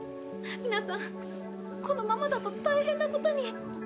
皆さんこのままだと大変な事に。